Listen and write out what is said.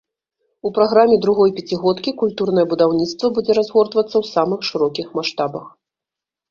У праграме другой пяцігодкі культурнае будаўніцтва будзе разгортвацца ў самых шырокіх маштабах.